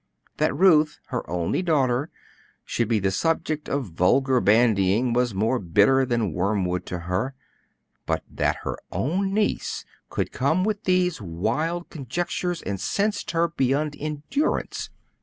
That Ruth, her only daughter, should be the subject of vulgar bandying was more bitter than wormwood to her; but that her own niece could come with these wild conjectures incensed her beyond endurance.